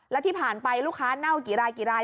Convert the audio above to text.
แล้วที่ผ่านไปลูกค้าเน่ากี่รายกี่ราย